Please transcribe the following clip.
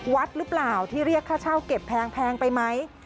วัดหรือเปล่าที่เรียกค่าเช่าเก็บแพงไปไหม